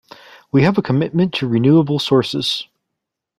We have a commitment to renewable sources.